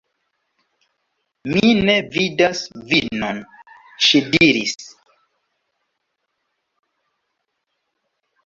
"Mi ne vidas vinon," ŝi diris.